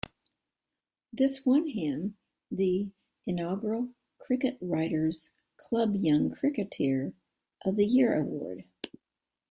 This won him the inaugural Cricket Writers' Club Young Cricketer of the Year award.